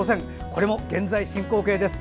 これも現在進行形です。